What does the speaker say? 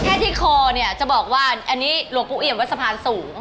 แค่ที่คอเนี่ยจะบอกว่าอันนี้หลวงปู่เอี่ยมวัดสะพานสูง